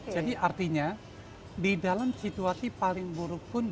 jadi artinya di dalam situasi paling buruk pun